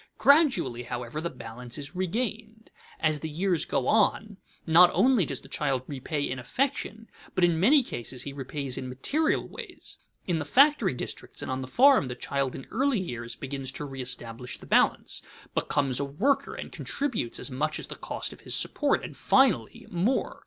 Gradually, however, the balance is regained; as the years go on, not only does the child repay in affection but in many cases he repays in material ways. In the factory districts and on the farm the child in early years begins to reëstablish the balance, becomes a worker, and contributes as much as the cost of his support, and finally more.